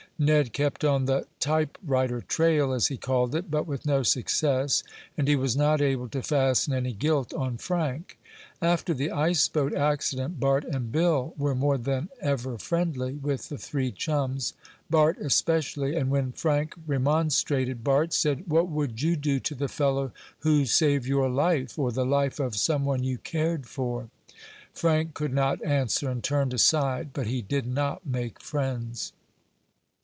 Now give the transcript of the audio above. Ned kept on the "typewriter trail," as he called it, but with no success, and he was not able to fasten any guilt on Frank. After the ice boat accident Bart and Bill were more than ever friendly with the three chums, Bart especially, and when Frank remonstrated, Bart said: "What would you do to the fellow who saved your life, or the life of some one you cared for?" Frank could not answer, and turned aside. But he did not make friends.